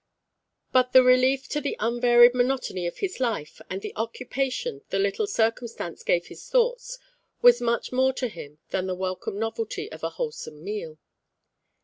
But the relief to the unvaried monotony of his life, and the occupation the little circumstance gave his thoughts, was much more to him than the welcome novelty of a wholesome meal.